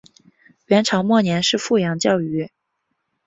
元朝末年是富阳教谕。